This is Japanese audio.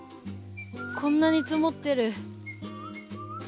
こんなに積もってる。